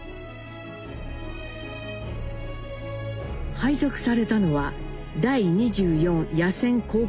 配属されたのは第２４野戦航空修理廠。